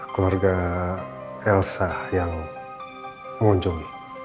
keluarga elsa yang mengunjungi